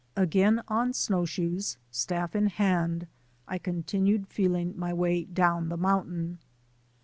Again on snowshoes, staff in hand, I continued feeling my way down the mountain.